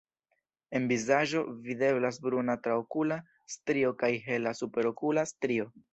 En vizaĝo videblas bruna traokula strio kaj hela superokula strio.